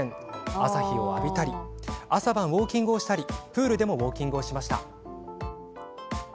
朝日を浴びたり朝晩ウォーキングをしたりプールでもウォーキングをしました。